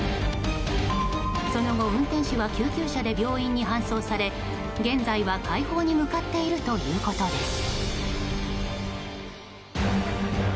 その後、運転手は救急車で病院に搬送され現在は快方に向かっているということです。